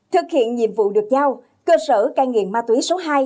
thực hiện nhiệm vụ được giao